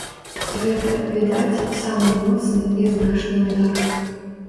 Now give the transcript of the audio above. Гэта, відаць, самы моцны і значны ўдар.